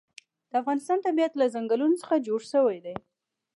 د افغانستان طبیعت له ځنګلونه څخه جوړ شوی دی.